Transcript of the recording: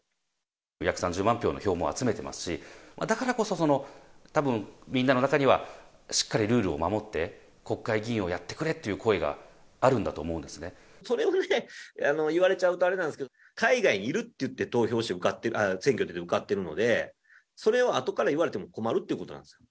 約３０万票の票も集めてますし、だからこそ、たぶん、みんなの中にはしっかりルールを守って国会議員をやってくれってそれを言われちゃうとあれなんですけど、海外にいるって言って投票して、選挙受かってるので、それをあとから言われても困るってことなんですよ。